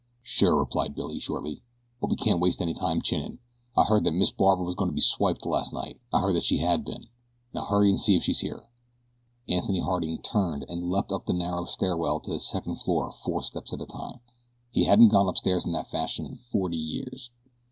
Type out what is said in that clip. "Sure," replied Byrne shortly; "but we can't waste any time chinnin'. I heard that Miss Barbara was goin' to be swiped last night I heard that she had been. Now hurry and see if she is here." Anthony Harding turned and leaped up the narrow stairway to the second floor four steps at a time. He hadn't gone upstairs in that fashion in forty years.